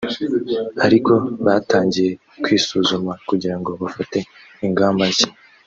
ariko batangiye kwisuzuma kugira ngo bafate ingamba nshya